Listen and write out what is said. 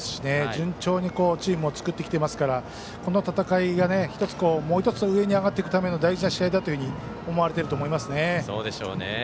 順調にチームを作ってきてますから、この戦いがもう１つ上に上がっていくための大事な試合だと思いますね。